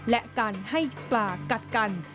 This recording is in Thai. และการให้ปลากัดกัน